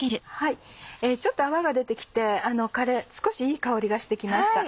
ちょっと泡が出て来て少しいい香りがして来ました。